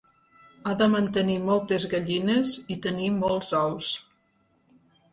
Ha de mantenir moltes gallines i tenir molts ous.